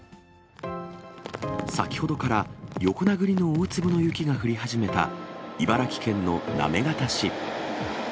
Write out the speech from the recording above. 先ほどから横殴りの大粒の雪が降り始めた茨城県の行方市。